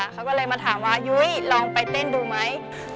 เขาก็เลยมาถามว่ายุ้ยลองไปเต้นดูไหม